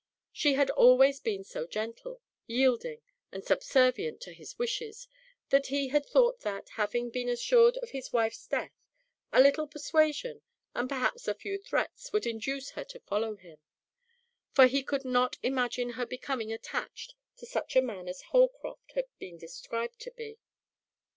She had always been so gentle, yielding, and subservient to his wishes that he had thought that, having been assured of his wife's death, a little persuasion and perhaps a few threats would induce her to follow him, for he could not imagine her becoming attached to such a man as Holcroft had been described to be.